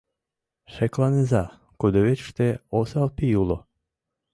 — Шекланыза, кудывечыште осал пий уло.